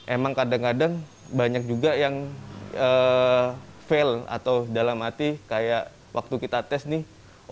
emang kadang kadang banyak juga yang fail atau dalam hati kayak waktu kita tes nih